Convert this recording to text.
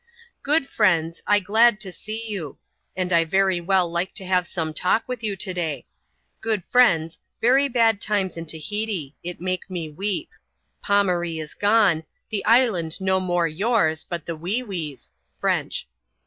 " Good friends, •! glad to see you ; and I very well like to have some talk with you to day. Good friends, very bad times in Tahiti; it make me weep. Pomaree is gone — the island no more yours, but the Wee Wee's (French).